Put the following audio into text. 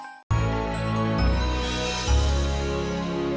gak ada yang bisa dihukum